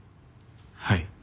はい。